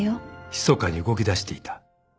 ［ひそかに動きだしていた］